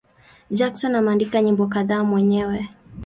Jackson ameandika nyimbo kadhaa mwenyewe.